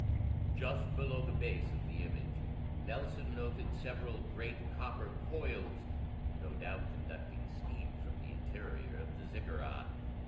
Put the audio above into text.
Just below the base of the image, Nelson noted several great, copper coils, no doubt conducting steam from the interior of the Ziggurat.